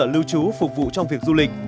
cơ sở lưu trú phục vụ trong việc du lịch